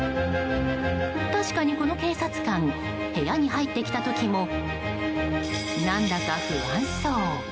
確かに、この警察官部屋に入ってきた時も何だか不安そう。